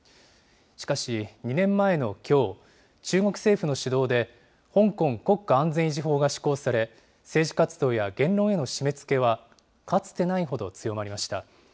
しかし２年前のきょう、中国政府の主導で、香港国家安全維持法が施行され、政治活動や言論への締めつけはかつてないほど強まりました。